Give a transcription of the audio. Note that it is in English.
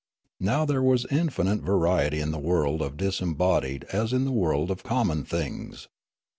Now there was infinite variety in the world of the dis embodied as in the world of common things.